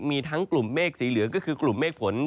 มีทั้งกลุ่มเมฆสีเหลืองก็คือกลุ่มเมฆฝน